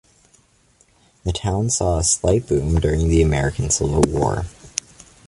The town saw a slight boom during the American Civil War.